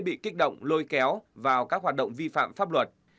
bị kích động lôi kéo vào các hoạt động vi phạm pháp luật